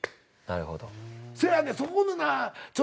なるほど。